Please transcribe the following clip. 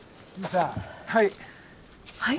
はい。